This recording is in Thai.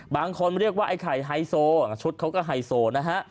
บางคนเรียกว่าไอ้ไข่ไฮโซชุดเขาก็ไฮโซนะฮะ